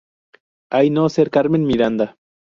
Hay no ser Carmen Miranda.